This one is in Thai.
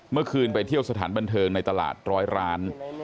เมื่อคืนไปเที่ยวสถานบันเทิงในตลาดร้อยร้าน